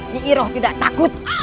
nyi iroh tidak takut